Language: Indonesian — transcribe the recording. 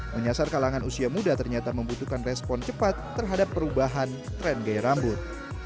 menyasar kalangan usia muda ternyata membutuhkan respon cepat terhadap perubahan tren gaya rambut